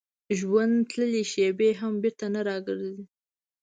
ژوند تللې شېبې هم بېرته نه راګرځي.